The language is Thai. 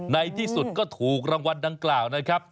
ในที่สุดก็ถูกรางวัลดังกล่าวนะครับ